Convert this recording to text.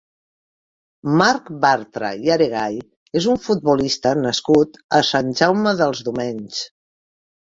Marc Bartra i Aregall és un futbolista nascut a Sant Jaume dels Domenys.